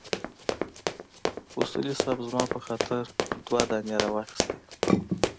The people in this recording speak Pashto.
اصولي صیب زما په خاطر دوه دانې راواخيستې.